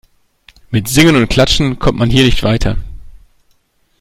Mit Singen und Klatschen kommt man hier nicht weiter.